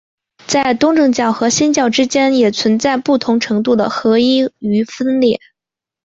在东正教和新教之间也存在不同程度的合一与分裂。